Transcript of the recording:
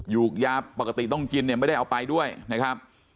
อยู่ยาปกติต้องกินเนี่ยไม่ได้เอาไปด้วยนะครับ